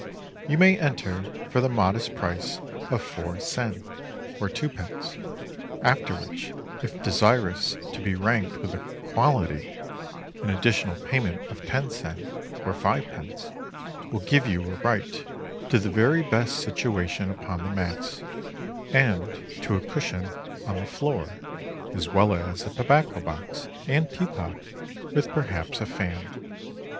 You may enter for the modest price of four sen, or twopence; after which, if desirous to be ranked with the "quality," an additional payment of ten sen, or fivepence, will give you a right to the very best situation upon the mats, and to a cushion on the floor, as well as a tobacco box and teapot, with perhaps a fan.